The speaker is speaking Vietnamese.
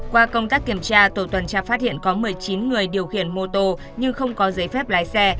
qua công tác kiểm tra tổ tuần tra phát hiện có một mươi chín người điều khiển mô tô nhưng không có giấy phép lái xe